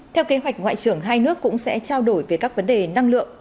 theo kế hoạch ngoại trưởng hai nước cũng sẽ trao đổi về các vấn đề năng lượng